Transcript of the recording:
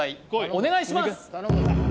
お願いします